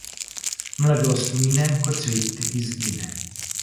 Mladost mine, ko cvet izgine.